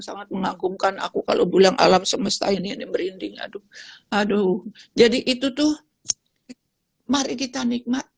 sangat mengagumkan aku kalau bilang alam semesta ini merinding aduh aduh jadi itu tuh mari kita nikmat